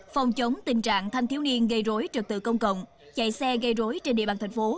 phòng chống tình trạng thanh thiếu niên gây rối trật tự công cộng chạy xe gây rối trên địa bàn thành phố